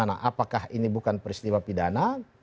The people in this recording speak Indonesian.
apakah ini bukan peristiwa pidana